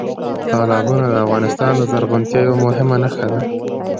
تالابونه د افغانستان د زرغونتیا یوه مهمه نښه ده.